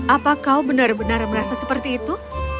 apa kau benar benar merasa seperti itu